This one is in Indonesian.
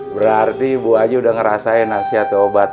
berarti bu haji udah ngerasain nasi atau obat